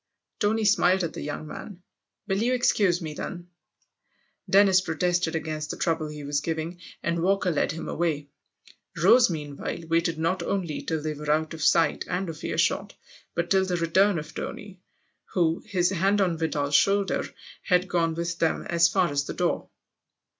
Tony smiled at the young man. "Will you excuse me then ?" Dennis protested against the trouble he was giving, and Walker led him away. Rose meanwhile waited not only till they were out of sight and of earshot, but till the return of Tony, who, his hand on Vidal's shoulder, had gone with them as far as the door.